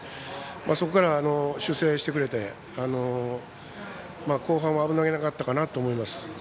そこからは修正して、後半は危なげなかったかなと思います。